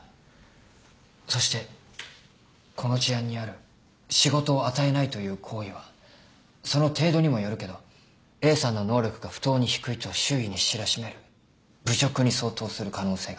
そしてこの事案にある仕事を与えないという行為はその程度にもよるけどＡさんの能力が不当に低いと周囲に知らしめる侮辱に相当する可能性が。